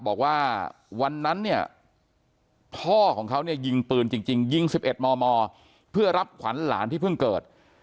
บอกว่าวันนั้นเนี่ยพ่อของเขาเนี่ยยิงปืนจริงยิง๑๑มมเพื่อรับขวัญหลานที่เพิ่งเกิด